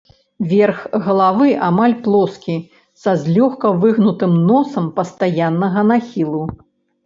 Верх галавы амаль плоскі, са злёгку выгнутым носам, пастаяннага нахілу.